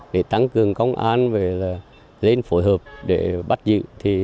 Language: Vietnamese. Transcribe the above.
để tăng cường công an và lên phối hợp để bắt dự